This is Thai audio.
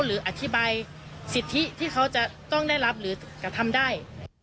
หรืออธิบายสิทธิที่เขาจะต้องได้รับหรือกระทำได้